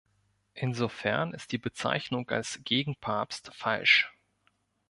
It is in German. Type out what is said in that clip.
Insofern ist die Bezeichnung als Gegenpapst falsch.